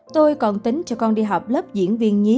tôi còn tính cho con đi học lớp diễn viên nhí